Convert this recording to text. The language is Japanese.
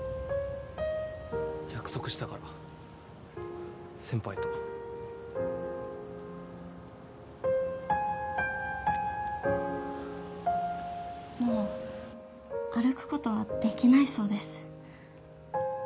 約束したから先輩ともう歩くことはできないそうです